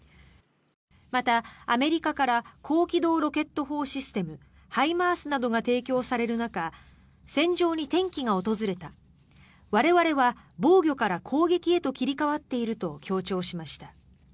また、アメリカから高機動ロケット砲システムＨＩＭＡＲＳなどが提供される中戦場に転機が訪れた我々は防御から攻撃へと切り替わっていると強調しました。